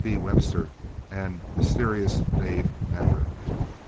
B. Webster, and "Mysterious" Dave Mather.